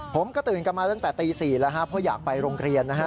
ผมก็ตื่นกลับมาตั้งแต่ตี๔แล้วเพราะอยากไปโรงเรียน